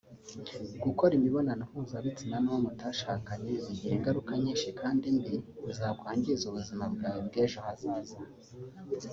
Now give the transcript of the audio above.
Gukora imibonano mpuzabitsina n’uwo mutashakanye bigira ingaruka nyinshi kandi mbi zakwangiza ubuzima bwawe bw’ejo hazaza